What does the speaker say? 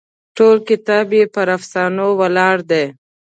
ټول کتاب یې پر افسانو ولاړ دی.